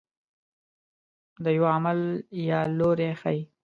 د یوه عمل یا لوری ښيي.